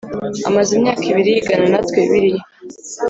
amaze imyaka ibiri yigana natwe Bibiliya